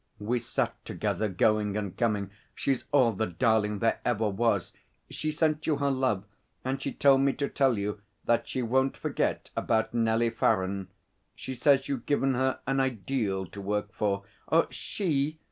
We sat together, going and coming. She's all the darling there ever was. She sent you her love, and she told me to tell you that she won't forget about Nellie Farren. She says you've given her an ideal to work for. She?